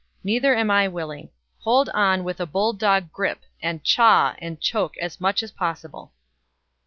Neither am I willing. Hold on with a bulldog grip, and chaw and choke as much as possible!"